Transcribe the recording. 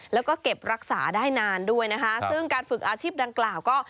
แล้วก็เก็บรักษาได้นานด้วยนะคะซึ่งการฝึกอาชีพดังกล่าวก็